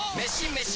メシ！